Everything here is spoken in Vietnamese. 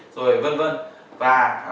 rồi vân vân và